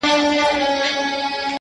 څنگ ته چي زه درغــــلـم;